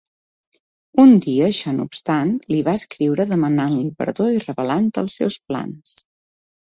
Un dia, això no obstant, li va escriure demanant-li perdó i revelant els seus plans.